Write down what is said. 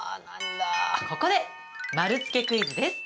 ここで丸つけクイズです。